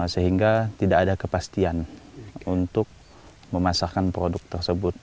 sehingga tidak ada kepastian untuk memasarkan produk tersebut